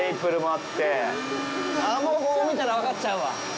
あっ、もうここ見たら分かっちゃうわ。